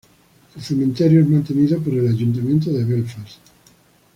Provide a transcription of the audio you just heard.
El cementerio es mantenido por el Ayuntamiento de Belfast.